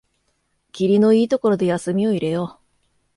きりのいいところで休みを入れよう